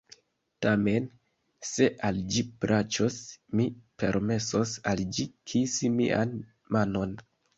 "Tamen se al ĝi plaĉos, mi permesos al ĝi kisi mian manon."